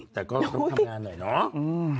แต่ก็ต้องทำงานหน่อยเนาะ